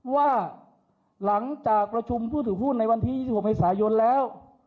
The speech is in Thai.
ว่าหลังจากประชุมผู้ถือหุ้นในวันที่๒๖เมษายนแล้ว